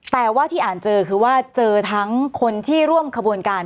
แต่ว่าที่อ่านเจอคือว่าเจอทั้งคนที่ร่วมขบวนการ